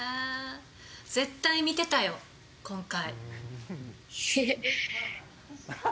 絶対見てたよ、今回。